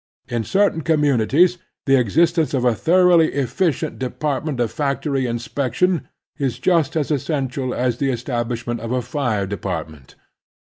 In certain commu nities the existence of a thoroughly efficient depart ment of factory inspection is just as essential as the establishment of a fire department.